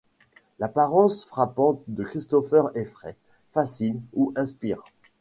L'apparence frappante de Christopher effraie, fascine ou inspire.